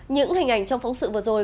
những hình ảnh trong phóng sự vừa rồi